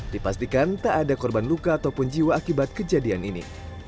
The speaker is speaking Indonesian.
dipastikan tak ada korban luka ataupun jiwa akibat kejadian ini